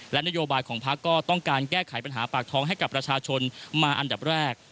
และนโยบายของพักก็ต้องการแก้ไขปัญหาปากท้องให้กับประชาชนมาอันดับแรก